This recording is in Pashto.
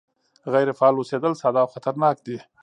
غیر فعال اوسېدل ساده او خطرناک دي